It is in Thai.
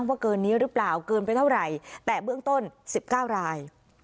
ว่าเกินนี้หรือเปล่าเกินไปเท่าไหร่แต่เบื้องต้น๑๙ราย